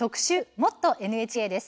「もっとＮＨＫ」です。